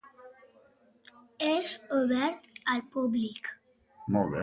És obert al públic.